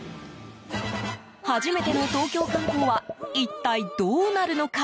初めての東京観光は一体、どうなるのか。